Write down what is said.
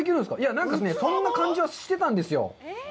何かね、そんな感じはしてたんですよ。